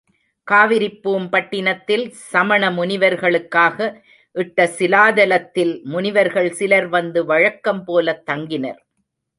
காவிரிப் பூம்பட்டினத்தில் சமணமுனிவர்களுக்காக இட்ட சிலாதலத்தில் முனிவர்கள் சிலர் வந்து வழக்கம் போலத் தங்கினர்.